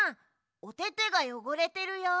おててがよごれてるよ。